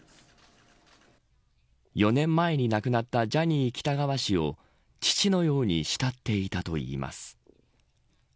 ４年前に亡くなったジャニー喜多川氏を父のように慕っていたといいます。